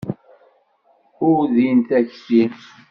Ur din takti.